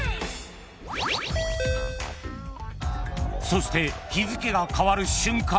［そして日付が変わる瞬間］